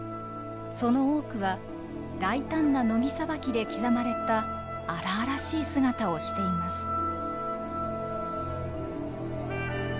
その多くは大胆なノミさばきで刻まれた荒々しい姿をしています。